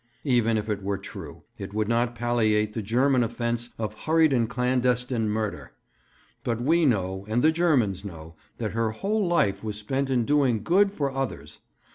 Even if it were true, it would not palliate the German offence of hurried and clandestine murder; but we know, and the Germans know, that her whole life was spent in doing good for others.